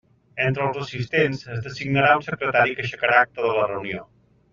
Entre els assistents es designarà un secretari que aixecarà acta de la reunió.